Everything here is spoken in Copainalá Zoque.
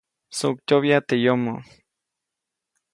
Msuʼktyoʼbya teʼ yomo.